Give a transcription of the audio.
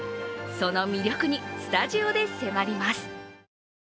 その魅力にスタジオで迫ります。